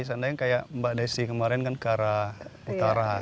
seandainya kayak mbak desi kemarin kan ke arah utara